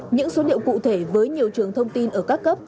những số liệu cụ thể với nhiều trường thông tin ở các cấp